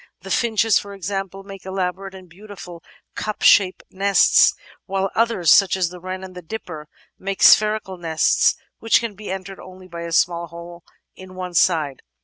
The Finches, for example, make elaborate and beautiful cup shaped nests, while others, such as the Wren and the Dipper, make spherical nests which can be entered only by a small hole in one side.